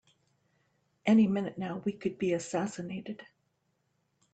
Any minute now we could be assassinated!